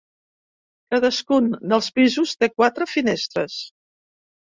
Cadascun dels pisos té quatre finestres.